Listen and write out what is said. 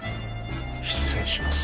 失礼します。